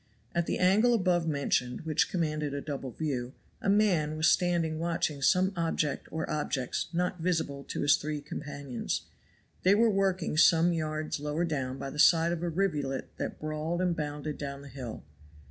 At the angle above mentioned, which commanded a double view, a man was standing watching some object or objects not visible to his three companions; they were working some yards lower down by the side of a rivulet that brawled and bounded down the hill.